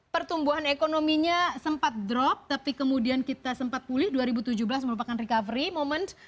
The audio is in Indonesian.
pertumbuhan ekonominya sempat drop tapi kemudian kita sempat pulih dua ribu tujuh belas merupakan recovery moment